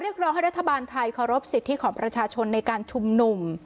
ร้องให้รัฐบาลไทยเคารพสิทธิของประชาชนในการชุมนุม